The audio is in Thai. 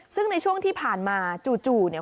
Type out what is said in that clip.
ซึ่งในช่วงที่ผ่านมาจุดนะคะ